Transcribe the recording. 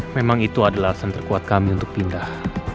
memang itu adalah alasan terkuat kami untuk pindah